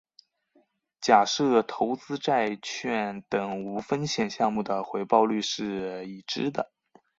假设投资债券等无风险项目的回报率是已知的。